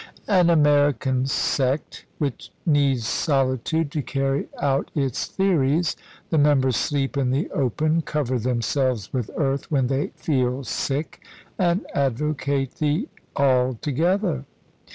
"An American sect, which needs solitude to carry out its theories. The members sleep in the open, cover themselves with earth when they feel sick, and advocate the altogether."